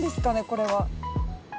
これは。